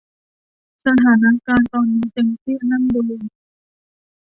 สถานการณ์ตอนนี้ตึงเครียดน่าดู